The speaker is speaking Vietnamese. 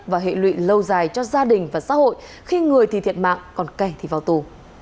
và hệ lụy lâu dài cho gia đình và xã hội khi người thì thiệt mạng còn kẻ thì vào tù